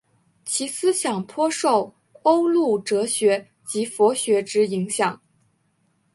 其思想颇受欧陆哲学及佛学之影响。